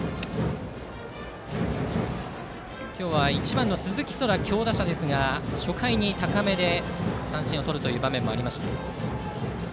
今日は１番の鈴木昊強打者ですが初回に高めで三振をとる場面もありました。